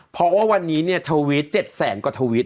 เพราะว่าวันนี้เนี่ยทวิต๗แสนกว่าทวิต